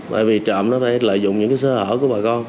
bởi vì trộm nó phải lợi dụng những sơ hở của bà con